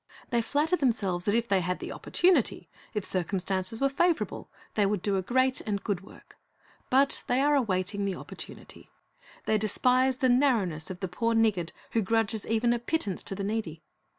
They flatter themselves that if they had opportunity, if circumstances were favorable, they would do a great and good work. But they are awaitmg the opportunity. They despise the narrowness of the poor niggard who grudges even a pittance to the needy.